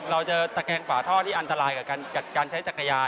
ตะแกงฝาท่อที่อันตรายกับการใช้จักรยาน